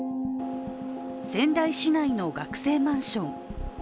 仙台市内の学生マンション。